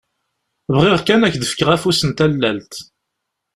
Bɣiɣ kan ad ak-d-fkeɣ afus n tallalt!